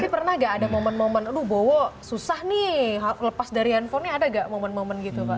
tapi pernah gak ada momen momen aduh bowo susah nih lepas dari handphonenya ada gak momen momen gitu kak